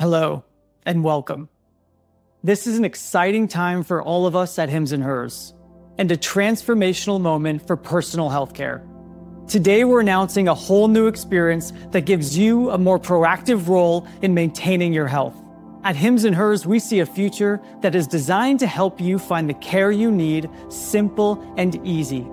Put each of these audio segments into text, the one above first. Hello, and welcome. This is an exciting time for all of us at Hims & Hers, and a transformational moment for personal healthcare. Today we're announcing a whole new experience that gives you a more proactive role in maintaining your health. At Hims & Hers, we see a future that is designed to help you find the care you need simple and easy.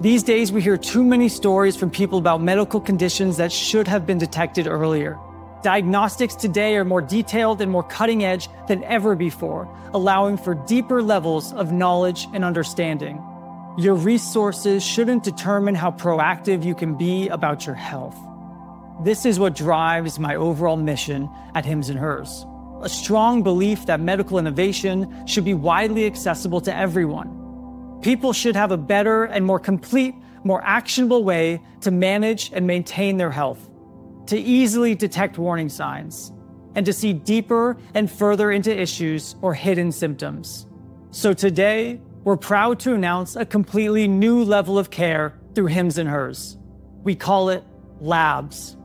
These days we hear too many stories from people about medical conditions that should have been detected earlier. Diagnostics today are more detailed and more cutting-edge than ever before, allowing for deeper levels of knowledge and understanding. Your resources shouldn't determine how proactive you can be about your health. This is what drives my overall mission at Hims & Hers: a strong belief that medical innovation should be widely accessible to everyone. People should have a better and more complete, more actionable way to manage and maintain their health, to easily detect warning signs, and to see deeper and further into issues or hidden symptoms. Today, we're proud to announce a completely new level of care through Hims & Hers. We call it Labs.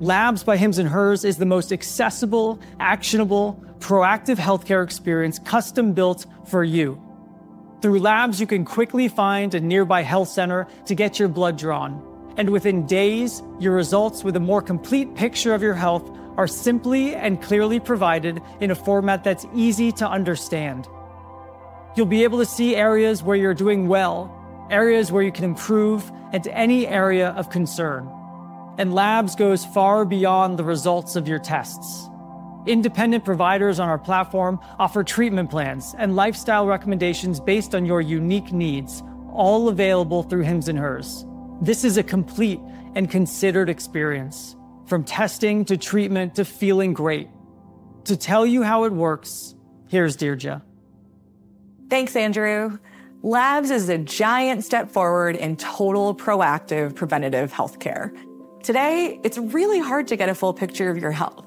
Labs by Hims & Hers is the most accessible, actionable, proactive healthcare experience custom-built for you. Through Labs, you can quickly find a nearby health center to get your blood drawn, and within days, your results with a more complete picture of your health are simply and clearly provided in a format that's easy to understand. You'll be able to see areas where you're doing well, areas where you can improve, and any area of concern. Labs goes far beyond the results of your tests. Independent providers on our platform offer treatment plans and lifestyle recommendations based on your unique needs, all available through Hims & Hers. This is a complete and considered experience, from testing to treatment to feeling great. To tell you how it works, here's Dheerja. Thanks, Andrew. Labs is a giant step forward in total proactive preventative healthcare. Today, it's really hard to get a full picture of your health.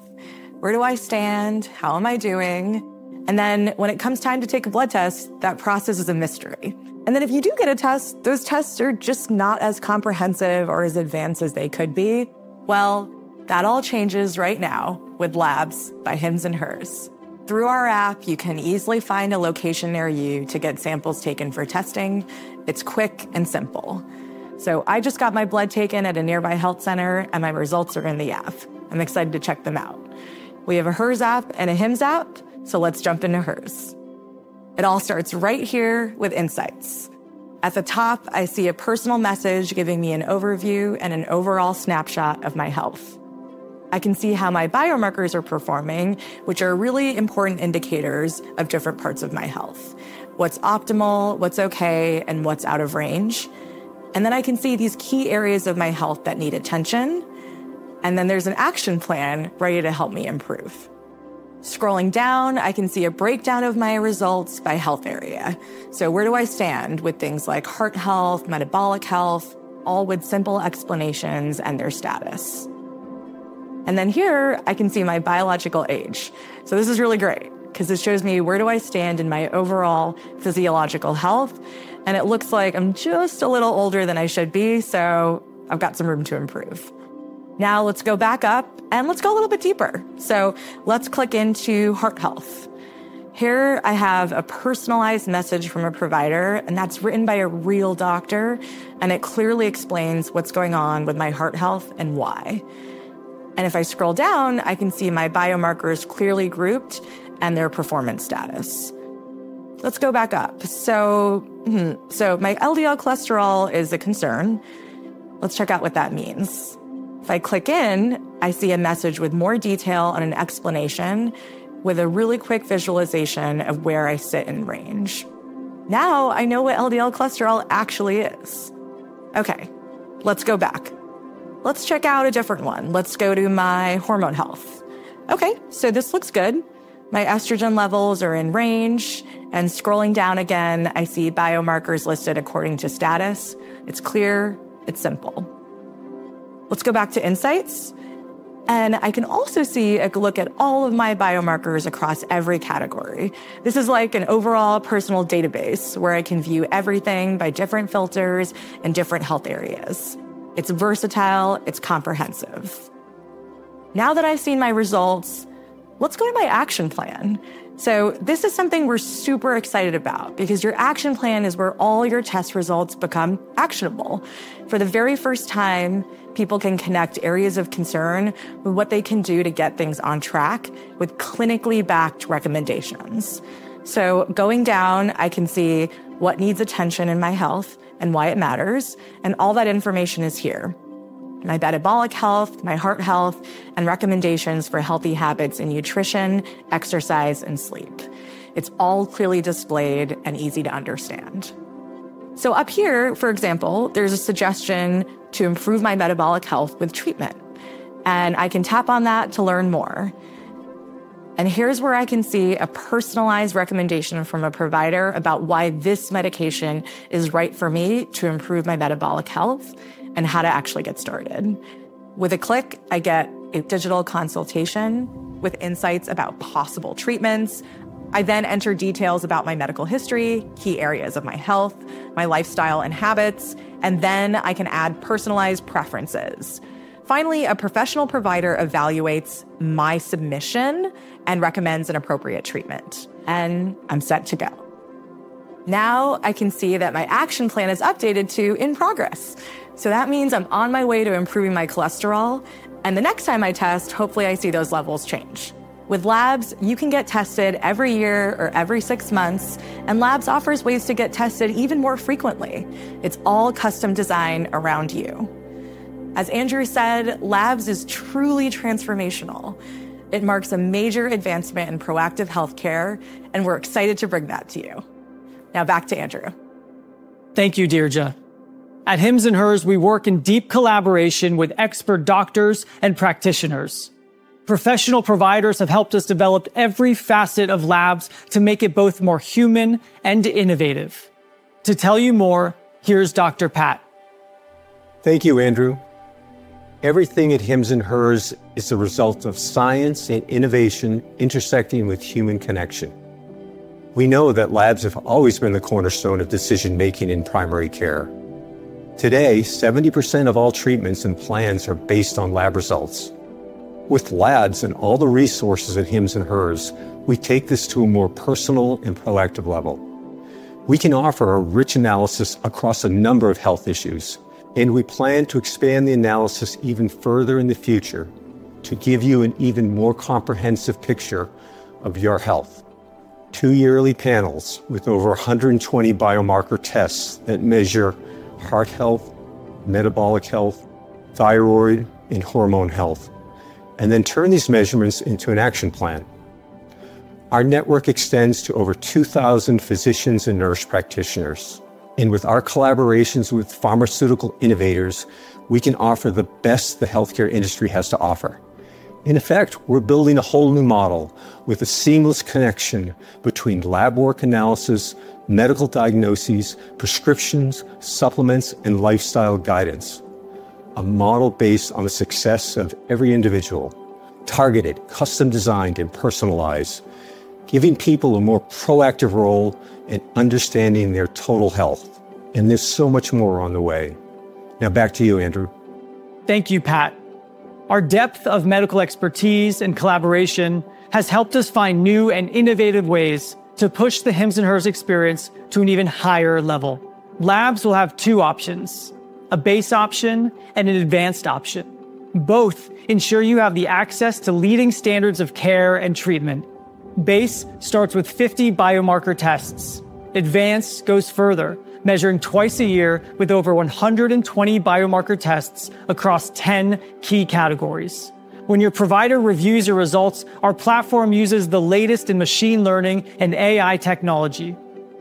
Where do I stand? How am I doing? When it comes time to take a blood test, that process is a mystery. If you do get a test, those tests are just not as comprehensive or as advanced as they could be. That all changes right now with Labs by Hims & Hers. Through our app, you can easily find a location near you to get samples taken for testing. It's quick and simple. I just got my blood taken at a nearby health center, and my results are in the app. I'm excited to check them out. We have a Hers app and a Hims app, so let's jump into Hers. It all starts right here with Insights. At the top, I see a personal message giving me an overview and an overall snapshot of my health. I can see how my biomarkers are performing, which are really important indicators of different parts of my health: what's optimal, what's okay, and what's out of range. I can see these key areas of my health that need attention, and then there's an action plan ready to help me improve. Scrolling down, I can see a breakdown of my results by health area. Where do I stand with things like heart health, metabolic health, all with simple explanations and their status. I can see my biological age. This is really great because it shows me where do I stand in my overall physiological health, and it looks like I'm just a little older than I should be, so I've got some room to improve. Now let's go back up and let's go a little bit deeper. Let's click into heart health. Here I have a personalized message from a provider, and that's written by a real doctor, and it clearly explains what's going on with my heart health and why. If I scroll down, I can see my biomarkers clearly grouped and their performance status. Let's go back up. My LDL cholesterol is a concern. Let's check out what that means. If I click in, I see a message with more detail and an explanation with a really quick visualization of where I sit in range. Now I know what LDL cholesterol actually is. Okay, let's go back. Let's check out a different one. Let's go to my hormone health. Okay, so this looks good. My estrogen levels are in range, and scrolling down again, I see biomarkers listed according to status. It's clear. It's simple. Let's go back to Insights, and I can also see a look at all of my biomarkers across every category. This is like an overall personal database where I can view everything by different filters and different health areas. It's versatile. It's comprehensive. Now that I've seen my results, let's go to my action plan. This is something we're super excited about because your action plan is where all your test results become actionable. For the very first time, people can connect areas of concern with what they can do to get things on track with clinically backed recommendations. Going down, I can see what needs attention in my health and why it matters, and all that information is here. My metabolic health, my heart health, and recommendations for healthy habits and nutrition, exercise, and sleep. It's all clearly displayed and easy to understand. Up here, for example, there's a suggestion to improve my metabolic health with treatment, and I can tap on that to learn more. Here's where I can see a personalized recommendation from a provider about why this medication is right for me to improve my metabolic health and how to actually get started. With a click, I get a digital consultation with insights about possible treatments. I then enter details about my medical history, key areas of my health, my lifestyle and habits, and then I can add personalized preferences. Finally, a professional provider evaluates my submission and recommends an appropriate treatment, and I'm set to go. Now I can see that my action plan is updated to in progress. That means I'm on my way to improving my cholesterol, and the next time I test, hopefully I see those levels change. With Labs, you can get tested every year or every six months, and Labs offers ways to get tested even more frequently. It's all custom design around you. As Andrew said, Labs is truly transformational. It marks a major advancement in proactive healthcare, and we're excited to bring that to you. Now back to Andrew. Thank you, Dheerja. At Hims & Hers, we work in deep collaboration with expert doctors and practitioners. Professional providers have helped us develop every facet of Labs to make it both more human and innovative. To tell you more, here's Dr. Pat. Thank you, Andrew. Everything at Hims & Hers is the result of science and innovation intersecting with human connection. We know that Labs have always been the cornerstone of decision-making in primary care. Today, 70% of all treatments and plans are based on lab results. With Labs and all the resources at Hims & Hers, we take this to a more personal and proactive level. We can offer a rich analysis across a number of health issues, and we plan to expand the analysis even further in the future to give you an even more comprehensive picture of your health. Two yearly panels with over 120 biomarker tests that measure heart health, metabolic health, thyroid, and hormone health, and then turn these measurements into an action plan. Our network extends to over 2,000 physicians and nurse practitioners, and with our collaborations with pharmaceutical innovators, we can offer the best the healthcare industry has to offer. In effect, we're building a whole new model with a seamless connection between lab work analysis, medical diagnoses, prescriptions, supplements, and lifestyle guidance. A model based on the success of every individual, targeted, custom-designed, and personalized, giving people a more proactive role and understanding their total health. There is so much more on the way. Now back to you, Andrew. Thank you, Pat. Our depth of medical expertise and collaboration has helped us find new and innovative ways to push the Hims & Hers experience to an even higher level. Labs will have two options: a base option and an advanced option. Both ensure you have the access to leading standards of care and treatment. Base starts with 50 biomarker tests. Advanced goes further, measuring twice a year with over 120 biomarker tests across 10 key categories. When your provider reviews your results, our platform uses the latest in machine learning and AI technology.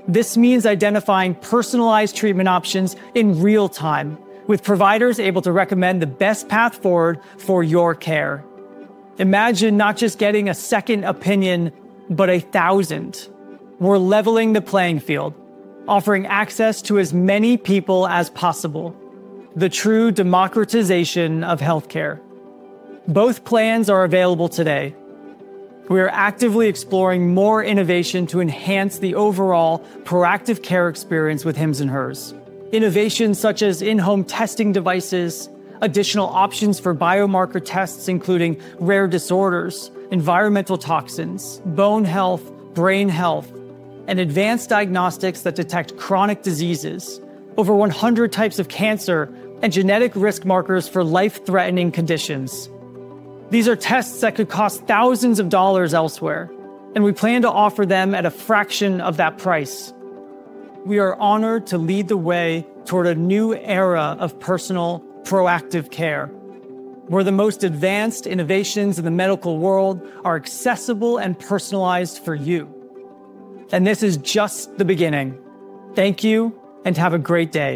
This means identifying personalized treatment options in real time, with providers able to recommend the best path forward for your care. Imagine not just getting a second opinion, but a thousand. We're leveling the playing field, offering access to as many people as possible. The true democratization of healthcare. Both plans are available today. We are actively exploring more innovation to enhance the overall proactive care experience with Hims & Hers. Innovations such as in-home testing devices, additional options for biomarker tests including rare disorders, environmental toxins, bone health, brain health, and advanced diagnostics that detect chronic diseases, over 100 types of cancer, and genetic risk markers for life-threatening conditions. These are tests that could cost thousands of dollars elsewhere, and we plan to offer them at a fraction of that price. We are honored to lead the way toward a new era of personal proactive care, where the most advanced innovations in the medical world are accessible and personalized for you. This is just the beginning. Thank you, and have a great day.